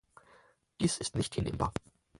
Dies ist nicht hinnehmbar.